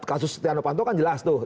kasus setiano panto kan jelas tuh